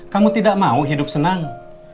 kamu tidak mau hidup senang